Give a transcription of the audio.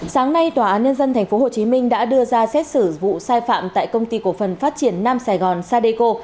sáng nay tòa án nhân dân tp hồ chí minh đã đưa ra xét xử vụ sai phạm tại công ty cổ phần phát triển nam sài gòn sadeco